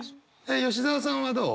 吉澤さんはどう？